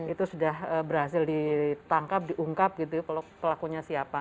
itu sudah berhasil ditangkap diungkap gitu ya pelakunya siapa